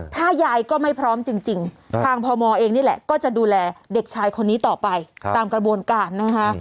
ถ้ายายก็ไม่พร้อมจริงทางพมเองนี่แหละก็จะดูแลเด็กชายคนนี้ต่อไปตามกระบวนการนะคะ